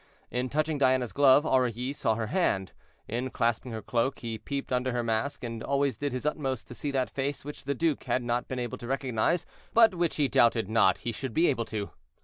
In touching Diana's glove Aurilly saw her hand, in clasping her cloak he peeped under her mask, and always did his utmost to see that face which the duke had not been able to recognize, but which he doubted not he should be able to.